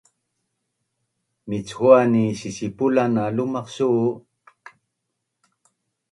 Michuan ni sisipulan na lumaq su?